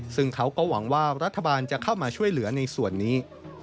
ซึ่งเขาก็หวังว่ารัฐบาลจะเข้ามาช่วยเหลือในส่วนนี้